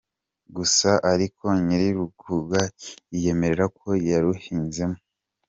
Gusa ariko nyiri kuruhinga yiyemerera ko yaruhinzemo.